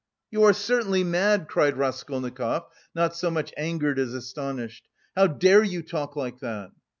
"You are certainly mad," cried Raskolnikov not so much angered as astonished. "How dare you talk like that!"